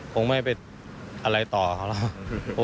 คงไม่ไปอะไรต่อเขาแล้ว